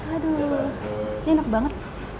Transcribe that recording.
aduh ini enak banget